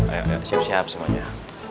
ayo siap siap semuanya